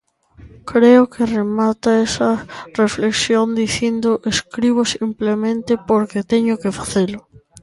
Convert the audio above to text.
Creo que remata esa reflexión dicindo: escribo simplemente porque teño que facelo.